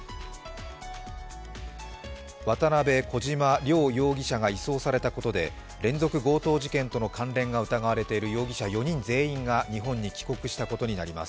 渡辺、小島、両容疑者が移送されたことで連続強盗事件との関連が疑われている容疑者４人全員が日本に帰国したことになります。